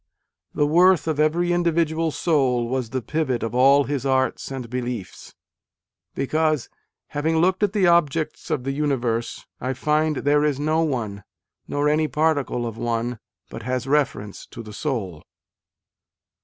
The worth of every A DAY WITH WALT WHITMAN. individual soul was the pivot of all his arts and beliefs :" Because, having looked at the objects of the Universe, I find there is no one, nor any particle of one, but has reference to the soul."